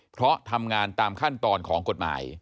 เพราะทำงานตามขั้นตอนของกฎหมาย